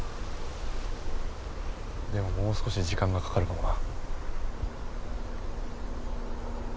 でももう少し時間がかかるかもな。